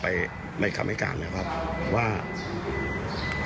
อันนี้ผมไม่ค่อยยินยันดีกว่านะ